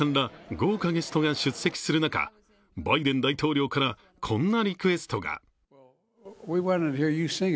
豪華ゲストが出席する中、バイデン大統領からこんなリクエストが。